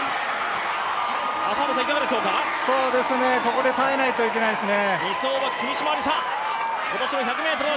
ここで耐えないといけないですね。